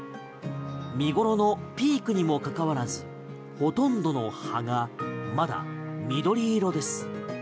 見頃のピークにも関わらずほとんどの葉がまだ緑色です。